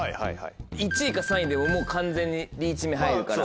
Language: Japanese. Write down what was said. １位か３位でもう完全にリーチ目入るから。